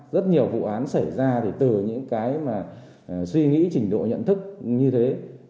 rất nhiều vụ án xảy ra từ những suy nghĩ trình độ nhận thức như thế